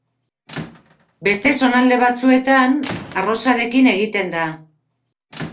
Beste zonalde batzuetan arrozarekin egiten da.